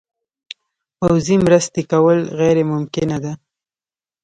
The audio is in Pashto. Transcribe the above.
پوځي مرستې کول غیر ممکنه ده.